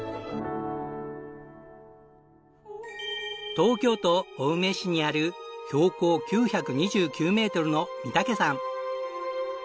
東京都青梅市にある標高９２９メートルの御岳山。